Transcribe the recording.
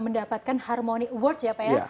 mendapatkan harmony awards ya pak ya